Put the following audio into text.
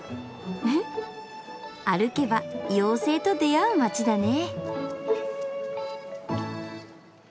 うふっ歩けば妖精と出会う街だね。